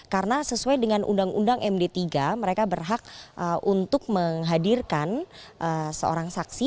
karena sesuai dengan undang undang md tiga mereka berhak untuk menghadirkan seorang saksi